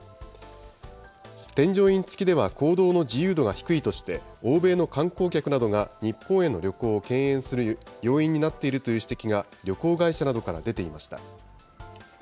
添乗員付きでは行動の自由度が低いとして、欧米の観光客などが日本への旅行を敬遠する要因になっているという指摘が旅行会社などから出ていました。